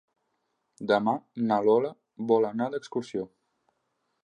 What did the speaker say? Demà na Lola vol anar d'excursió.